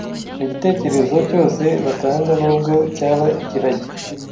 nigitekerezo cyose batanga, nubwo cyaba ikiragi.